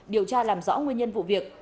điều tra làm rõ nguyên nhân vụ việc